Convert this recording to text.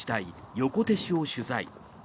横手市を取材。